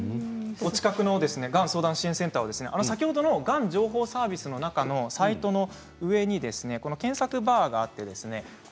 お近くのがん相談支援センターは先ほどのがん情報サービスのサイトの上に検索バーがあります。